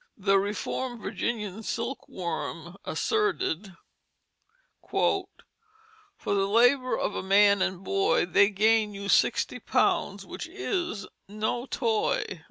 The Reformed Virginia Silk Worm asserted: "For the Labour of a man and boy They gain you Sixty pounds which is no toy."